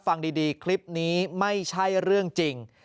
ฟังดีคลิปนี้ไม่ใช่เรื่องจริง